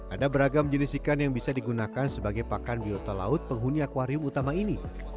ada beragam jenis ikan yang bisa digunakan sebagai pakan biota laut penghuni akwarium utama ini